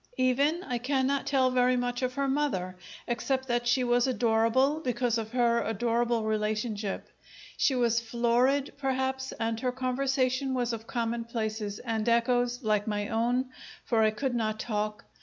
Even, I cannot tell very much of her mother, except that she was adorable because of her adorable relationship. She was florid, perhaps, and her conversation was of commonplaces and echoes, like my own, for I could not talk.